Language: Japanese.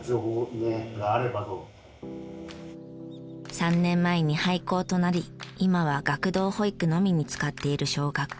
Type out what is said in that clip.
３年前に廃校となり今は学童保育のみに使っている小学校。